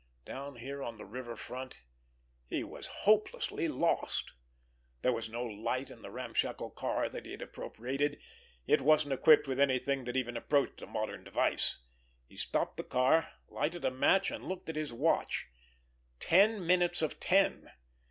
Down here on the river front he was hopelessly lost. There was no light in the ramshackle car that he had appropriated—it wasn't equipped with anything that even approached a modern device. He stopped the car, lighted a match, and looked at his watch. _Ten minutes of ten!